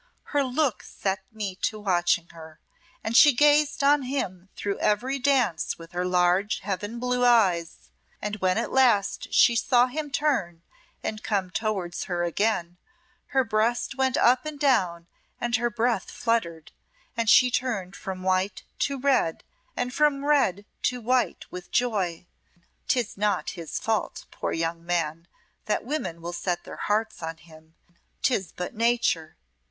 Her look set me to watching her, and she gazed on him through every dance with her large heaven blue eyes, and when at last she saw him turn and come towards her again her breast went up and down and her breath fluttered, and she turned from white to red and from red to white with joy. 'Tis not his fault, poor young man, that women will set their hearts on him; 'tis but nature.